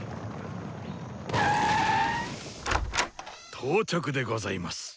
・到着でございます。